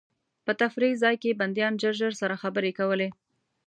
په تفریح ځای کې بندیان ژر ژر سره خبرې کولې.